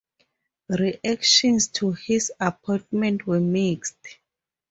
Reactions to his appointment were mixed.